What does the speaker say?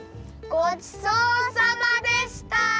ごちそうさまでした！